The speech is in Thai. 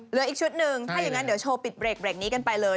เหลืออีกชุดหนึ่งถ้าอย่างนั้นเดี๋ยวโชว์ปิดเบรกนี้กันไปเลย